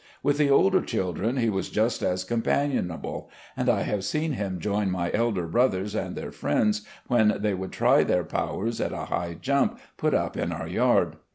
With the older children, he was just as companionable, and I have seen him join my elder brothers and their friends when they would try their powers at a high jump put up in our yard.